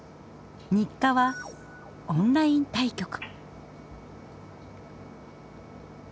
日課はオンライン対局。